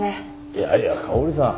いやいや香織さん。